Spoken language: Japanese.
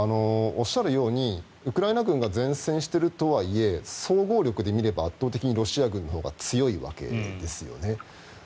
おっしゃるようにウクライナ軍が善戦しているとはいえ総合力で見れば圧倒的にロシア軍のほうが強いわけですよね。